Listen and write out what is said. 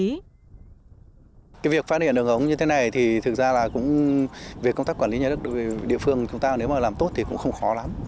cái việc phát hiện đường ống như thế này thì thực ra là cũng việc công tác quản lý nhà đất địa phương chúng ta nếu mà làm tốt thì cũng không khó lắm